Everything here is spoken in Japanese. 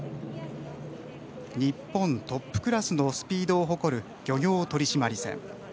日本トップクラスのスピードを誇る漁業取締船。